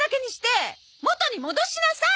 元に戻しなさい！